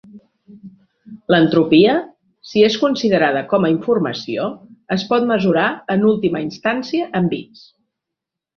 L'entropia, si és considerada com a informació, es pot mesurar en última instància en bits.